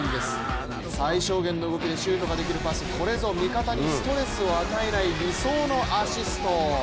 最小限の動きでシュートができるパス、これぞ味方にストレスを与えない理想のアシスト。